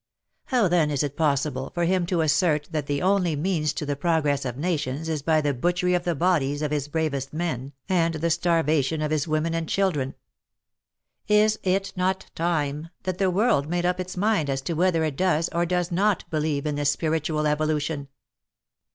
How then, is it possible for him to assert that the only means to the progress of nations is by the I utchery of the bodies of his bravest men and tne starvation of his women and children ? Is 2o6 WAR AND WOMEN it not time that the world made up its mind as to whether it does or does not believe in this spiritual evolution